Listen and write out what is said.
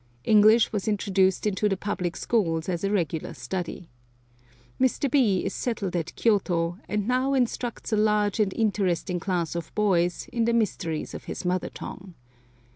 English was introduced into the public schools as a regular study. Mr. B is settled at Kioto, and now instructs a large and interesting class of boys in the mysteries of his mother tongue.